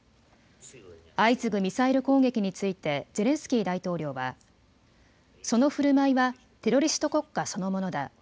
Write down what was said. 相次ぐミサイル攻撃についてゼレンスキー大統領は、そのふるまいはテロリスト国家そのものだ。